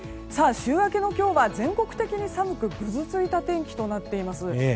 週明けの今日は全国的に寒くぐずついた天気となっています。